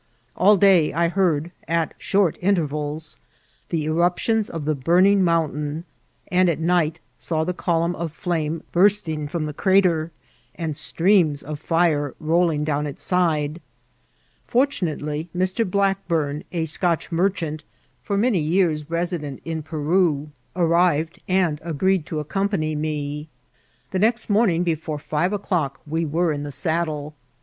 All day I heard at short intervals the eruptions of the burning mountain, and at night saw the column of flame bursting firom the crater, and streams of fire rolling down its side. Fortunately, Mr. Blackburn, a Scotch merchant, for many years resident in Peru, ar 28 •96 I1CCIDS1CT8 or teatsl. nrtdy and agreed to aooompany me. The next morn* ing before five o'clock we were in die saddle.